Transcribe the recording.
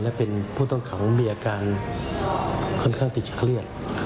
และเป็นผู้ต้องขังมีอาการค่อนข้างที่จะเครียด